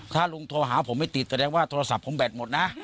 ถ้าลุงโทรหาผมไม่ติดแสดงว่าโทรศัพท์ผมแบตหมดนะ